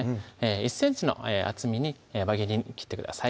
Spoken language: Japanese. １ｃｍの厚みに輪切りに切ってください